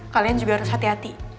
kalian juga harus hati hati